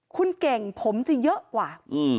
คุณเก่งผมจะเยอะกว่า